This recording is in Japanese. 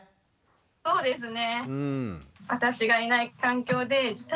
そうですね。